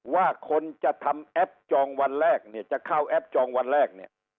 ว่าคนจะเข้าแอปจองวันแรก